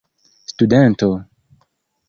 studento